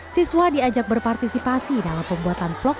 siswa diajak berpartisipasi dalam pembuatan vlog